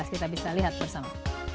kita bisa lihat bersama